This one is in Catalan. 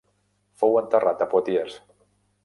Fou enterrat a Poitiers.